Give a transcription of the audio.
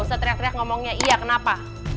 usah teriak teriak ngomongnya iya kenapa